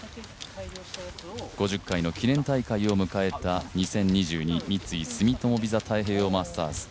５０回の記念大会を迎えた「２０２２三井住友ＶＩＳＡ太平洋マスターズ」